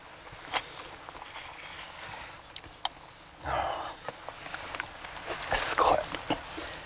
ああすごい！